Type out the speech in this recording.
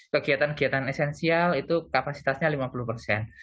kegiatan kegiatan esensial itu kapasitasnya lima puluh persen